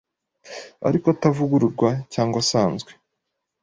ariko atavugururwa cyangwa ngo asanzwe.